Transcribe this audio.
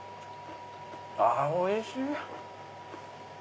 あおいしい！